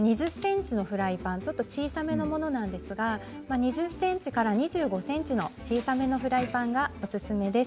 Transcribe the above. ２０センチのフライパンちょっと小さめのものなんですが２０センチから２５センチの小さめのフライパンがおすすめです。